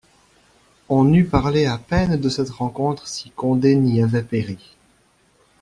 On eût parlé à peine de cette rencontre si Condé n'y avait péri.